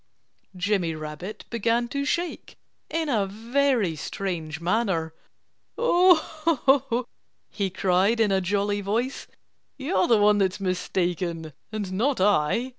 Jimmy Rabbit began to shake in a very strange manner. "Ho! ho!" he cried in a jolly voice. "You are the one that's mistaken and not I!